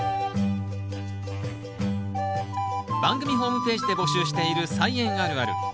番組ホームページで募集している「菜園あるある」。